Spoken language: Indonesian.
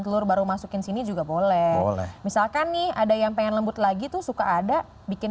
telur baru masukin sini juga boleh misalkan nih ada yang pengen lembut lagi tuh suka ada bikin